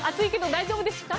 大丈夫です！